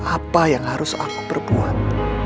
apa yang harus aku berbuat